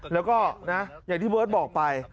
แล้วก็นะอย่างที่เบิร์ตบอกไป